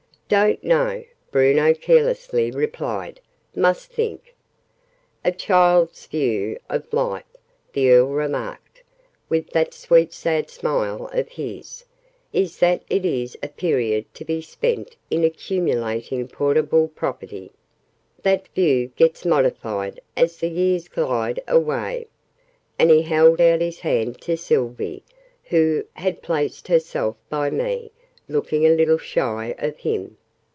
"Don't know," Bruno carelessly replied: "must think." "A child's first view of life," the Earl remarked, with that sweet sad smile of his, "is that it is a period to be spent in accumulating portable property. That view gets modified as the years glide away." And he held out his hand to Sylvie, who had placed herself by me, looking a little shy of him.